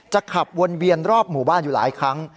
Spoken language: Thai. ขับวนเวียนรอบหมู่บ้านอยู่หลายครั้ง